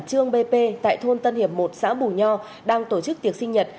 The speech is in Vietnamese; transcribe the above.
trương bp tại thôn tân hiệp một xã bù nho đang tổ chức tiệc sinh nhật